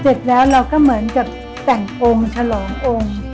เสร็จแล้วเราก็เหมือนกับแต่งองค์ฉลององค์